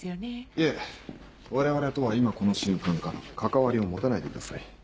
いえ我々とは今この瞬間から関わりを持たないでください。